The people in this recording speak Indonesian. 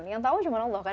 yang tahu cuma allah